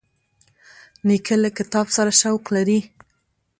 نیکه له کتاب سره شوق لري.